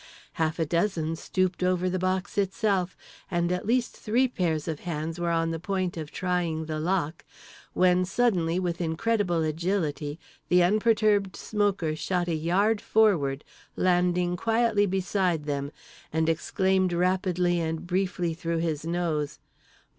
Half a dozen stooped over the box itself, and at least three pairs of hands were on the point of trying the lock—when suddenly with incredible agility the unperturbed smoker shot a yard forward, landing quietly beside them; and exclaimed rapidly and briefly through his nose.